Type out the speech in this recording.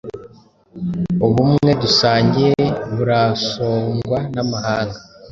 Ubumwe dusangiye burasongwa namahanga